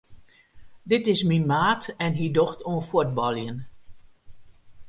Dit is myn maat en hy docht oan fuotbaljen.